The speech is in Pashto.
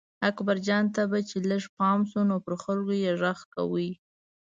اکبرجان ته به چې لږ پام شو نو پر خلکو یې غږ کاوه.